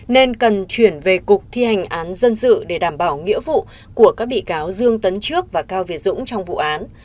nên cần chuyển về cục thi hành án dân sự để đảm bảo nghĩa vụ của các bị cáo dương tấn trước và cao việt dũng trong vụ án